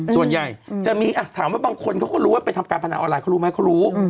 ส่วนใหญ่จะมีถามว่าบางคนเขาก็รู้ว่าไปทำการพนันออนไลเขารู้ไหมเขารู้